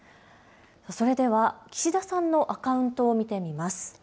それでは、岸田さんのアカウントを見てみます。